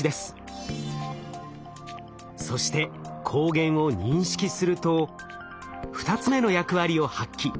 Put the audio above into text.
そして抗原を認識すると２つ目の役割を発揮。